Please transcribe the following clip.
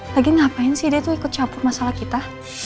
lagi ngapain sih dia tuh ikut capur masalah kita